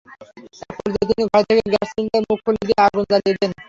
একপর্যায়ে তিনি ঘরে থাকা গ্যাস সিলিন্ডারের মুখ খুলে দিয়ে আগুন জ্বালিয়ে দেন।